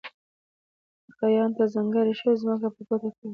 افریقایانو ته ځانګړې شوې ځمکه په ګوته کوي.